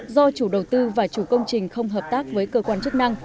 do chủ đầu tư và chủ công trình không hợp tác với cơ quan chức năng